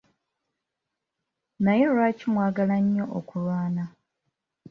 Naye lwaki mwagala nnyo okulwana?